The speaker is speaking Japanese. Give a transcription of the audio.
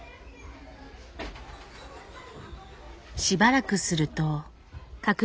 しばらくすると。